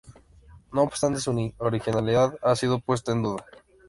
No obstante, su originalidad ha sido puesta en duda.